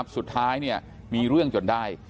สุดท้ายมีเรื่องจนได้